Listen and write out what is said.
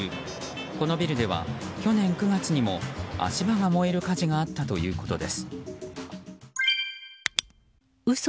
このビルでは去年９月にも足場が燃える火事があったということです。